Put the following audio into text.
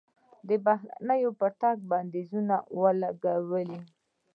بهرنیانو پر راتګ بندیز لګولی و.